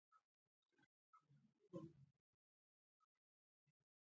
او په اوسنیو شرایطو کې موږ هغوی په هند کې نه شو زغملای.